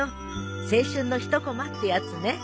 青春の一こまってやつね。